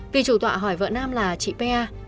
vì chủ tọa hỏi vợ nam là chị pia